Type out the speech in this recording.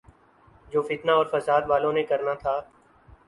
جو فتنہ اورفسادوالوں نے کرنا تھا۔